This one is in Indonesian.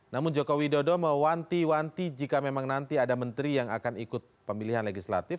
namun joko widodo mewanti wanti jika memang nanti ada menteri yang akan ikut pemilihan legislatif